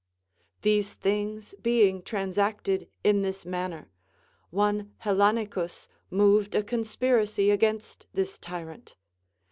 These thino s beimj transacted in this manner, one Hel Do ' lanicus moved a conspiracy against this tyrant.